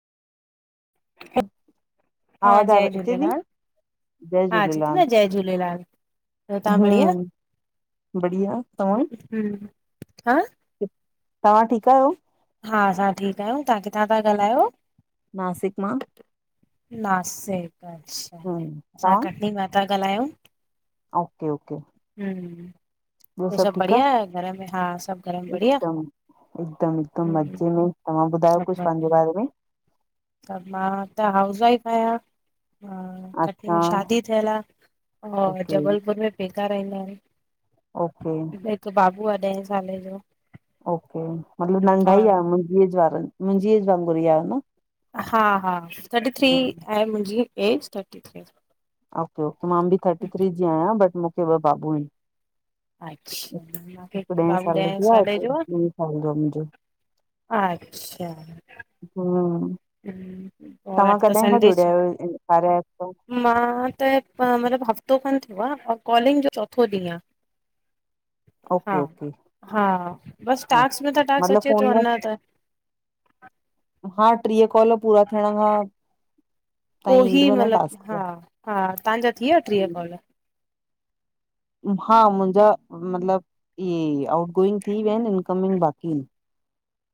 हा! आवाज़ आ जय अचे थी? झूलेलाल जय हा अचे ति न आ झूलेलाल। जय झूलेलाल। ॿियो तव्हां बढ़िया? हम्म! बढ़िया तंवा? हम्म! हा तां ठीकु अयो? हा! असां ठीकु आहियूं। तां किथां था ॻाल्हायो? नासिक मां। नासिक अच्छा, हम्म, असां तव्हां कटनी मा था ॻाल्हायूं। ओके, ओके हम्म! ॿियो सभु बढ़िया आह घर में? हा सभु घर में बढ़िया हिकदमि। हिकदमि! हिकदमि! हम्म, मज़े में तवां ॿुधायो कुझु पंहिंजे बारे में त मां त हाउस वाइफ अयां। हा कटनी अच्छा मे शादी थियुल आ। अ ओके जबलपुर में पेका रहंदा आहिन। ओके! हिकु बाबू आ ॾहे साले जो। ओके मतलब नंढा ई और आयन मुंहिंजी वार मुंहिंजे ऐज वारी गुडिया आहे न हा हा थर्टी थ्री हम्म ऐं मुंहिंजी age thirty three okay okay मां बि थर्टी थ्री जी आहियां बट मूंखे ॿ बाबू आहिन अच्छा मूंखे हिक ॾह बाबू साल ॾहें जी साले आहे जो हिक ॿि साल जो आहे मुंहिंजो अच्छा हम्म हम्म, और अॼु तव्हां त कॾहिं खां संडे जुड़िया च आहियो कार्य अप मे मां त मतलब हफ़्तो खन थियो आ ऐं कॉलिंग जो चोथो ॾींहुं आ हा ओके ओके हा बस हा टास्क में त टास्क मतलब अचे फोन थो में अञा त हा ट्रीह कॉल पूरा थियण खां पो ताईं ई ईंदव न मतलबु टास्क हा हा तव्हांजा थी विया ट्रीह कॉल हा मुंहिंजा मतलबु इहे आउटगोइंग थी वया आहिन इनकमिंग बाक़ी